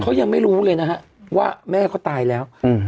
เขายังไม่รู้เลยนะฮะว่าแม่เขาตายแล้ว